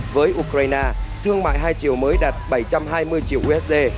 với ukraine thương mại hai chiều mới đạt bảy trăm hai mươi triệu usd